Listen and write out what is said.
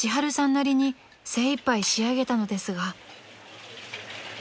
なりに精いっぱい仕上げたのですが］